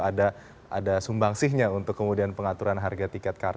ada sumbangsihnya untuk kemudian pengaturan harga tiket